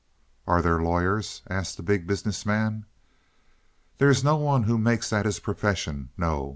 "Are there any lawyers?" asked the Big Business Man. "There is no one who makes that his profession, no.